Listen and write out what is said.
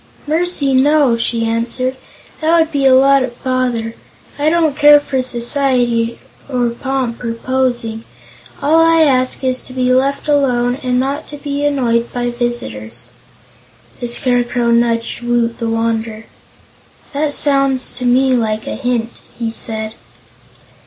"Mercy, no," she answered. "That would be a lot of bother. I don't care for society, or pomp, or posing. All I ask is to be left alone and not to be annoyed by visitors." The Scarecrow nudged Woot the Wanderer. "That sounds to me like a hint," he said.